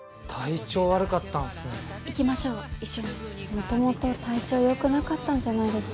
もともと体調よくなかったんじゃないですか。